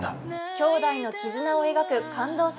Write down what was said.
兄弟の絆を描く感動作